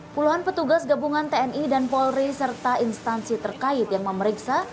puluhan petugas gabungan tni dan polri serta instansi terkait yang memeriksa